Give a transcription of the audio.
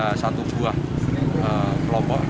ada satu buah kelompok